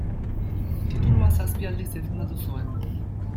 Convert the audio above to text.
Titulua zazpi aldiz defendatu zuen.